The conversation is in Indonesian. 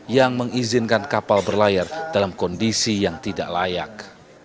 yang mengizinkan kapal berlayar dalam kondisi yang tidak layak